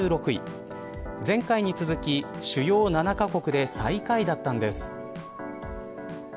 前回に続き主要７カ国で最下位だったんです。